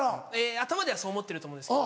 頭ではそう思ってると思うんですけど。